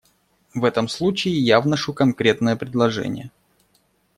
В этом случае я вношу конкретное предложение.